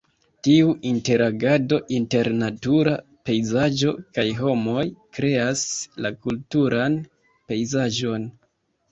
Tiu interagado inter natura pejzaĝo kaj homoj kreas la kulturan pejzaĝon.